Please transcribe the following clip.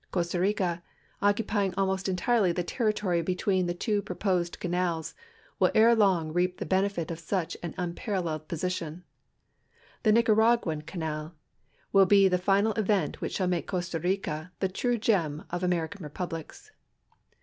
Costa Rica, occupying almost entirely the territory between the two proposed canals, will ere long reap the benefit of such an unparalleled position. The Nicaraguan canal LIJMON, COSTA RICA, FROM THE PARK COSTA RICA 145 will be the final event which sliall make Costa Rica the true ,u;eiu of American republics.